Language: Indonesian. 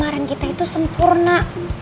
nyamarin kita itu sempurna